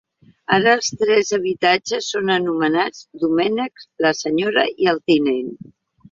Ara, els tres habitatges són anomenats Domènec, la Senyora i el Tinent.